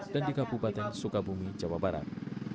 dan di kabupaten sukabumi jawa barat